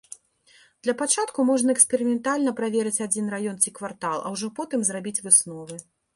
Для пачатку можна эксперыментальна праверыць адзін раён ці квартал, а ўжо потым зрабіць высновы.